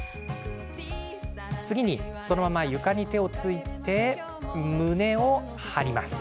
次に、そのまま床に手をついて胸を張ります。